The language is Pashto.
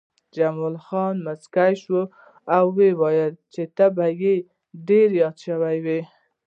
جمال خان موسک شو او وویل چې ته به مې ډېر یاد شې